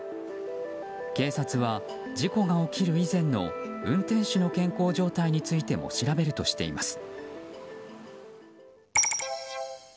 警察は事故が起きる以前の運転手の健康状態についても調べるとしています。